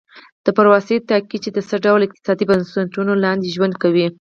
دا پروسې ټاکي چې د څه ډول اقتصادي بنسټونو لاندې ژوند کوي.